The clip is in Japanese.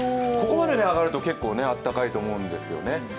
ここまで上がると結構あったかいと思うんですよね。